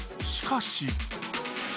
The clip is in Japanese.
しかし。